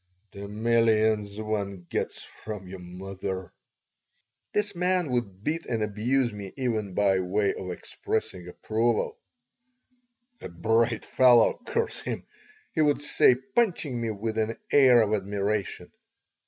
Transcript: "The millions one gets from your mother!" This man would beat and abuse me even by way of expressing approval "A bright fellow, curse him!" he would say, punching me with an air of admiration.